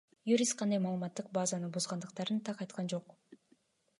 Юрист кайсы маалыматтык базаны бузугандыктарын так айткан жок.